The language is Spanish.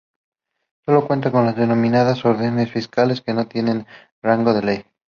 Solo cuentan con las denominadas ordenanzas fiscales, que no tienen rango de ley.